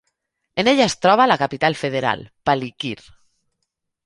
En ella es troba la capital federal, Palikir.